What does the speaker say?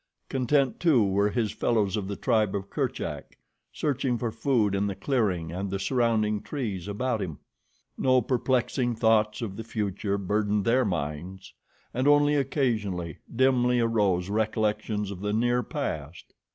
Content, too, were his fellows of the tribe of Kerchak, searching for food in the clearing and the surrounding trees about him. No perplexing thoughts of the future burdened their minds, and only occasionally, dimly arose recollections of the near past.